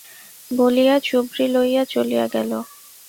বলিয়া চুবড়ি লইয়া চলিয়া গেল।